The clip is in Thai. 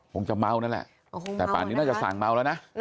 คงจะเมานั่นแหละแต่ป่านนี้น่าจะสั่งเมาแล้วนะ